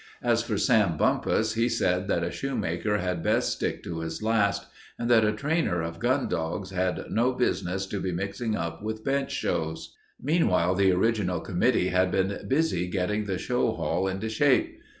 As for Sam Bumpus, he said that a shoemaker had best stick to his last, and that a trainer of gun dogs had no business to be mixing up with bench shows. Meanwhile, the original committee had been busy getting the show hall into shape.